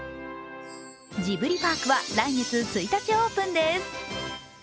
ジブリパークは来月１日オープンです。